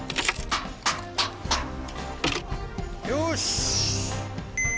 よし。